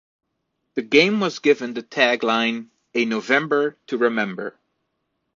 The game was given the tagline "A November to Remember".